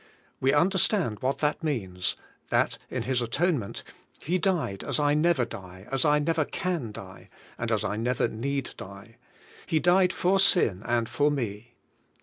We understand what that means, that in His atone ment He died as I never die, as I never can die, as I never need die; He died for sin and for me.